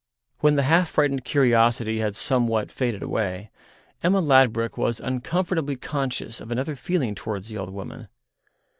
When the half frightened curiosity had somewhat faded away, Emma Ladbruk was uncomfortably conscious of another feeling towards the old woman.